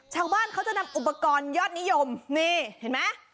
ชาวบ้านเขาจะนำอุปกรณ์ยอดนิยมนี่เห็นไหม